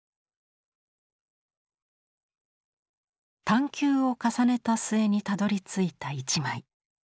探求を重ねた末にたどりついた一枚。